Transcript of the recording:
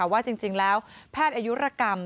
ว่าจริงแล้วแพทย์อายุรกรรม